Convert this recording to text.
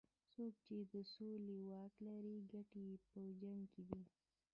څوک چې د سولې واک لري ګټې یې په جنګ کې دي.